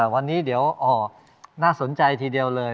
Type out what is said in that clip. วันนี้เดี๋ยวน่าสนใจทีเดียวเลย